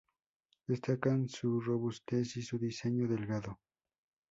Destacan su robustez y su diseño delgado.